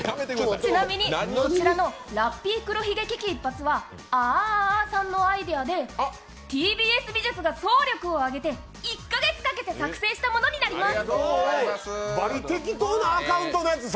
ちなみに、こちらのラッピー黒ひげ危機一発は、ああああさんのアイデアでＴＢＳ美術が総力を挙げて１か月かけて作成したものになります。